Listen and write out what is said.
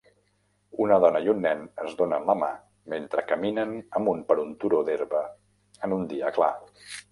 Una dona i un nen es donen la mà mentre caminen amunt per un turó d'herba en un dia clar.